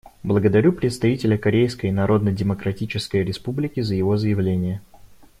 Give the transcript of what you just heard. Благодарю представителя Корейской Народно-Демократической Республики за его заявление.